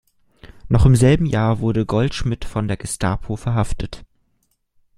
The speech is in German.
Noch im selben Jahr wurde Goldschmidt von der Gestapo verhaftet.